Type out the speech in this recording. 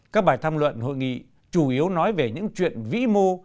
các bài tham luận hội nghị chủ yếu nói về những chuyện vĩ mô